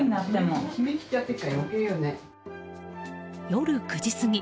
夜９時過ぎ。